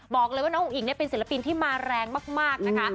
บอกเลยว่าน้องอุ๋งเป็นศิลปินที่มาแรงมากนะคะ